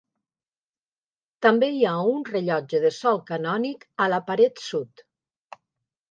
També hi ha un rellotge de sol canònic a la paret sud.